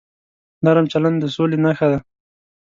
نرم چلند د سولې نښه ده.